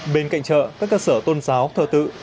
bên cạnh chợ các cơ sở tôn giáo thờ tự